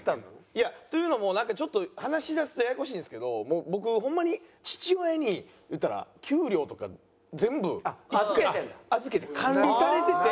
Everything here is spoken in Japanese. いやというのもなんかちょっと話しだすとややこしいんですけど僕ホンマに父親に言うたら給料とか全部預けてる管理されてて。